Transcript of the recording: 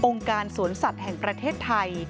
การสวนสัตว์แห่งประเทศไทย